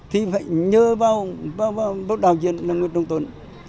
thì phải nhớ vào đạo diễn là người trọng tuấn